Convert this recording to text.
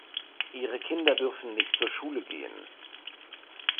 Ihre Kinder dürfen nicht zur Schule gehen.